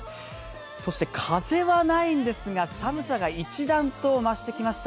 そして風はないんですが寒さが一段と増してきました。